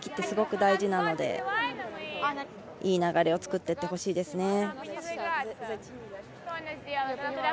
すごく大事なのでいい流れを作っていってほしいです。